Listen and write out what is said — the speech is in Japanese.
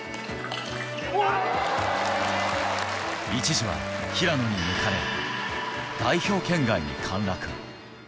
一時は平野に抜かれ、代表圏外に陥落。